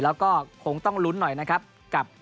แล้วก็คงต้องลุ้นหน่อยนะครับกับ